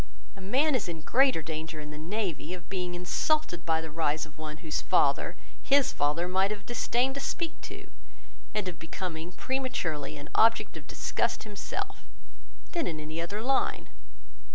A man is in greater danger in the navy of being insulted by the rise of one whose father, his father might have disdained to speak to, and of becoming prematurely an object of disgust himself, than in any other line.